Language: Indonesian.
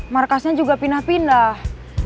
markasnya juga pindah pindah